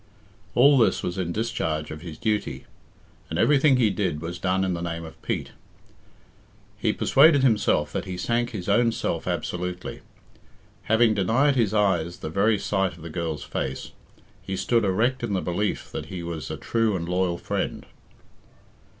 All this was in discharge of his duty, and everything he did was done in the name of Pete. He persuaded himself that he sank his own self absolutely. Having denied his eyes the very sight of the girl's face, he stood erect in the belief that he was a true and loyal friend.